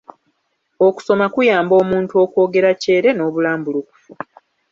Okusoma kuyamba omuntu okwogera kyere n'obulambulukufu.